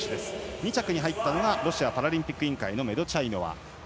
２着に入ったのがロシアパラリンピック委員会メドチャイノワ。